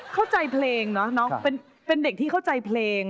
เข้าใจเพลงเนาะเป็นเด็กที่เข้าใจเพลง